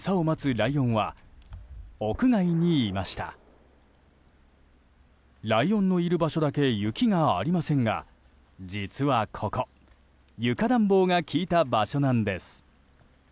ライオンのいる場所だけ雪がありませんが実はここ床暖房が効いた場所なんです。